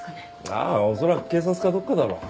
ああ恐らく警察かどっかだろう。